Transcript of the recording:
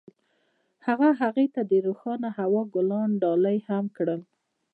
هغه هغې ته د روښانه هوا ګلان ډالۍ هم کړل.